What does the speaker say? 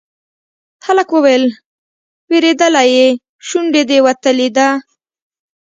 هلک وويل: وېرېدلی يې، شونډه دې وتلې ده.